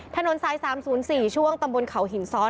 ถนนสาย๓๐๔ช่วงตำบลเขาหินซ้อน